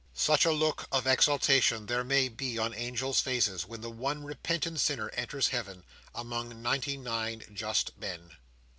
Such a look of exultation there may be on Angels' faces when the one repentant sinner enters Heaven, among ninety nine just men.